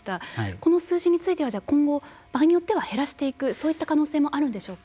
この数字については今後、場合によっては減らしていくそういった可能性もあるんでしょうか。